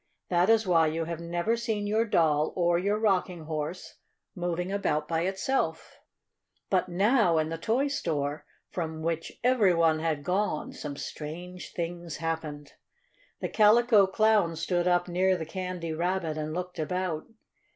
That is why you have never seen your doll or your rocking horse moving about by itself. But now, in the toy store, from which every one had gone, some strange things happened. The Calico Clown stood up near the Candy Rabbit and looked about.